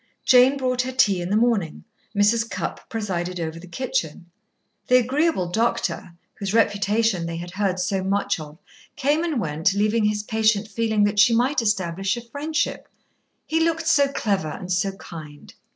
Jane brought her tea in the morning, Mrs. Cupp presided over the kitchen. The agreeable doctor, whose reputation they had heard so much of, came and went, leaving his patient feeling that she might establish a friendship. He looked so clever and so kind.